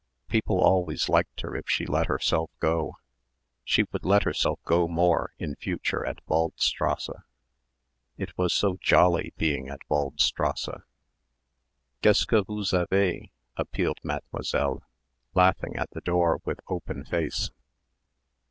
People always liked her if she let herself go. She would let herself go more in future at Waldstrasse. It was so jolly being at Waldstrasse. "Qu'est ce que vous avez?" appealed Mademoiselle, laughing at the door with open face.